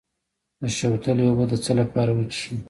د شوتلې اوبه د څه لپاره وڅښم؟